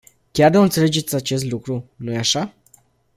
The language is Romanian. Chiar nu înțelegeți acest lucru, nu-i așa?